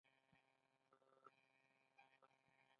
د کونډو بې سرپرستي ټولنه دردوي.